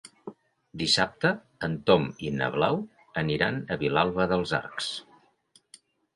Dissabte en Tom i na Blau aniran a Vilalba dels Arcs.